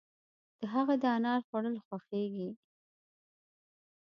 د هغه د انار خوړل خوښيږي.